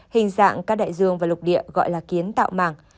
hình dạng các đại dương và lục địa gọi là kiến tạo mảng